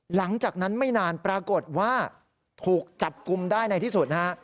หลังจากนั้นไม่นานปรากฏว่าถูกจับกลุ่มได้ในที่สุดนะฮะ